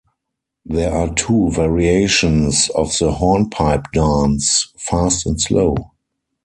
There are two variations of the hornpipe dance: fast and slow.